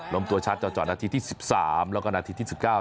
ล้มตัวชัดเจาะเจาะนาทีที่สิบสามแล้วก็นาทีที่สิบเก้า